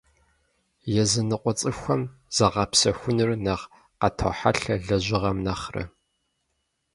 Языныкъуэ цӀыхухэм загъэпсэхуныр нэхъ къатохьэлъэ лэжьыгъэм нэхърэ.